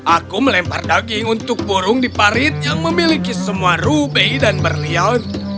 aku melempar daging untuk burung di parit yang memiliki semua rubei dan berlian